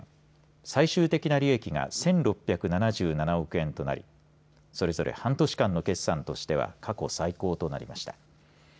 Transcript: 最終的な利益が１６７７億円となりそれぞれ半年間の決算としては過去最高となりました。